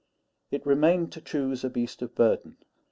It remained to choose a beast of burden.